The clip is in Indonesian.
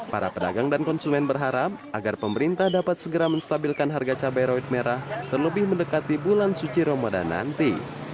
para pedagang dan konsumen berharap agar pemerintah dapat segera menstabilkan harga cabai rawit merah terlebih mendekati bulan suci ramadan nanti